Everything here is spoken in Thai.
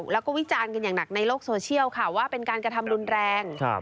แล้วก็วิจารณ์กันอย่างหนักในโลกโซเชียลค่ะว่าเป็นการกระทำรุนแรง